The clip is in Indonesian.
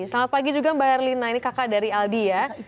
selamat pagi juga mbak erlina ini kakak dari aldi ya